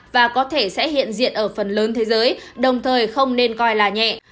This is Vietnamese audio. và có thể sẽ hiện diện ở phần lớn thế giới đồng thời không nên coi là nhẹ